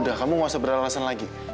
udah kamu gak usah beralasan lagi